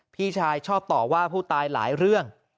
พี่ชายชอบต่อว่าผู้ตายหลายเรื่อง